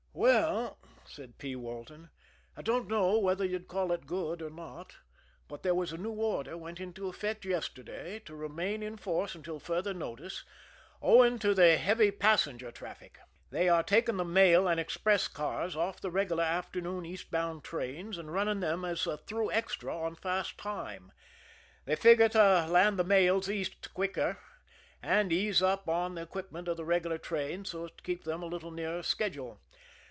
"Well," said P. Walton, "I don't know whether you'd call it good or not, but there was a new order went into effect yesterday to remain in force until further notice owing to the heavy passenger traffic. They are taking the mail and express cars off the regular afternoon east bound trains, and running them as a through extra on fast time. They figure to land the mails East quicker, and ease up on the equipment of the regular trains so as to keep them a little nearer schedule.